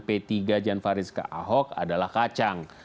dukungan p tiga jan farid ke ahok adalah kacang